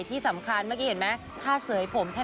ที่สำคัญเมื่อกี้เสือผมเท่านั้นยังหล่อเลยครับโครน